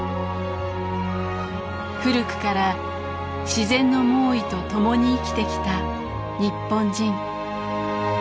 古くから自然の猛威と共に生きてきた日本人。